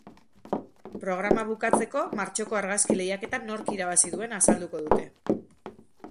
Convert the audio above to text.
Programa bukatzeko, martxoko argazki-lehiaketa nork irabazi duen azalduko dute.